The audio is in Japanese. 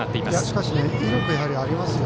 しかし、やはり威力はありますよ。